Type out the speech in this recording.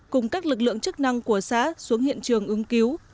cùng các lực lượng chức năng của xã xuống hiện trường ứng cứu